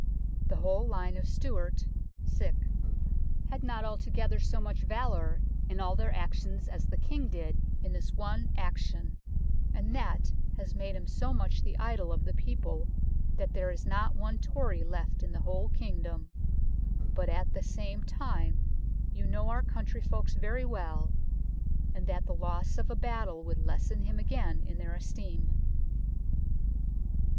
The whole line of Stewart had not altogether so much valour in all their actions as the King did in this one action, and that has made him so much the idol of the people that there is not one Tory left in the whole kingdom, but at the same time you know our country folks very well, and that the loss of a battle would lessen him again in their esteem."